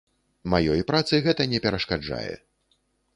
Маёй працы гэта не перашкаджае.